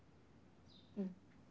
うん。